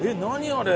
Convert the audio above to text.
あれ。